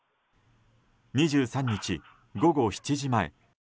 ２３日、午後７時前。